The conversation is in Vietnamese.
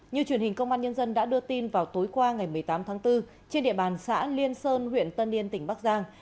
như truyền hình công an nhân dân đã đưa tin vào tối qua ngày một mươi tám tháng bốn trên địa bàn xã liên sơn huyện tân yên tỉnh bắc giang